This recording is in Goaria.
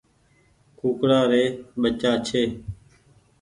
ڪوڪڙآ ري ٻچآ ڇي۔